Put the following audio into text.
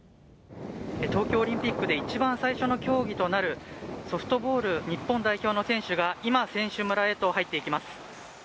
東京オリンピックで一番最初の競技となるソフトボール日本代表の選手が今、選手村へと入っていきます。